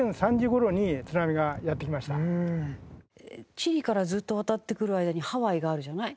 チリからずっと渡ってくる間にハワイがあるじゃない。